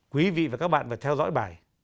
quý vị và các bạn phải theo dõi bài